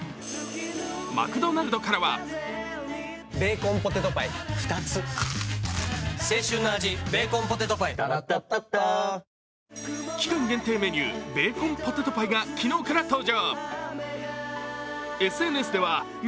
マクドナルドからは期間限定メニュー、ベーコンポテトパイが昨日から登場。